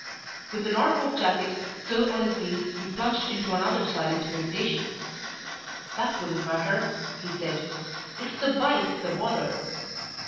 With the Norfolk jacket still on his knees, he plunged into another silent meditation. "That wouldn't matter," he said. "It's the bike's the bother.